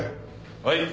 はい！